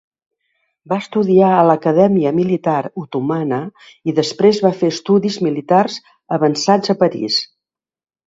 Va estudiar a l'Acadèmia Militar Otomana i després va fer estudis militars avançats a París.